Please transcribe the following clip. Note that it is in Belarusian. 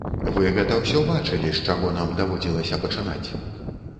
Вы гэта ўсё бачылі, з чаго нам даводзілася пачынаць.